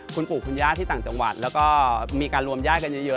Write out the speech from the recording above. คุณปู่คุณย่าที่ต่างจังหวัดแล้วก็มีการรวมญาติกันเยอะ